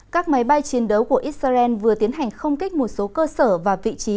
các máy bay chiến đấu của israel vừa tiến hành không kích một số cơ sở và vị trí